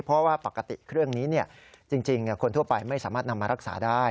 เพราะว่าปกติเครื่องนี้จริงคนทั่วไปไม่สามารถนำมารักษาได้